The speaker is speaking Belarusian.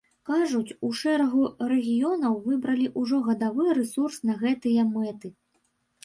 Кажуць, у шэрагу рэгіёнаў выбралі ўжо гадавы рэсурс на гэтыя мэты.